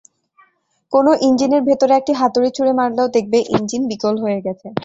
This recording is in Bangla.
কোনও ইঞ্জিনের ভেতরে একটা হাতুড়ি ছুড়ে মারলেও দেখবে ইঞ্জিল বিকল হয়ে গেছে।